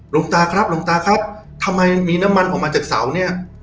หลวงตาครับหลวงตาครับทำไมมีน้ำมันออกมาจากเสาเนี่ย